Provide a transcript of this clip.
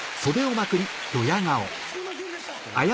すいませんでした！